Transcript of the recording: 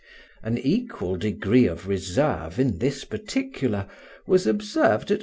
An equal degree of reserve in this particular was observed at M.